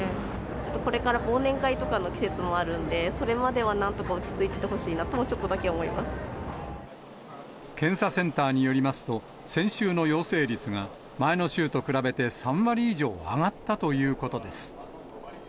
ちょっとこれから忘年会とかの季節もあるんで、それまではなんとか落ち着いててほしいなと、ちょっとだけ思いま検査センターによりますと、先週の陽性率が前の週と比べて、３割以上上がったということです。